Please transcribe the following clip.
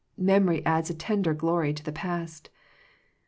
Memory adds a tender glory to the past.